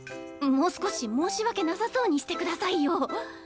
もう少し申し訳なさそうにしてくださいよ。